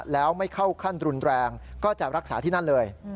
แล้วไม่เข้าขั้นรุนแรงก็จะรักษาที่นั่นเลย